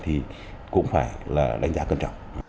thì cũng phải là đánh giá cân trọng